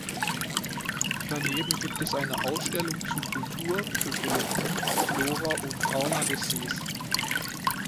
Daneben gibt es eine Ausstellung zu Kultur, Ökologie, Flora und Fauna des Sees.